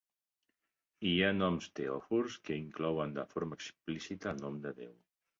Hi ha noms teòfors que inclouen de forma explícita el nom de Déu.